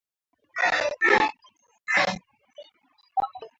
Kuteta mutu ni mubaya ni bora kumwambia